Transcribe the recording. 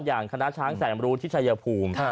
อย่างคณะช้างแสนรู้ที่ชายภูมิ